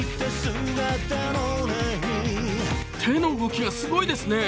手の動きがすごいですね。